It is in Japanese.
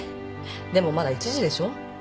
でもまだ一次でしょ？